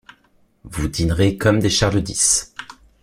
Vous dînerez comme des Charles-Dix.